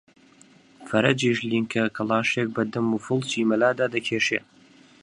فەرەجیش لینگە کەڵاشێک بە دەم و فڵچی مەلادا دەکێشێ